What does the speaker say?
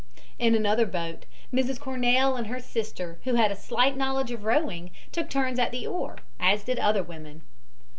In another boat Mrs. Cornell and her sister, who had a slight knowledge of rowing, took turns at the oars, as did other women.